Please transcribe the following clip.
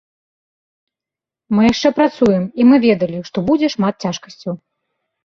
Мы яшчэ працуем, і мы ведалі, што будзе шмат цяжкасцяў.